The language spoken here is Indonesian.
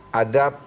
kan ada banyak tuh